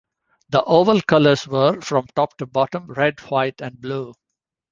The oval colors were, from top to bottom, red, white, and blue.